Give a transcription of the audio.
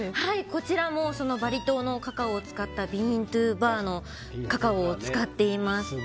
こちらもバリ島のカカオを使ったビーントゥーバーのカカオを使っています。